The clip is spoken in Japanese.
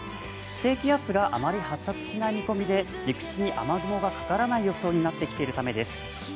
低気圧があまり発達しない見込みで陸地に雨雲がかからない予想になってきているためです。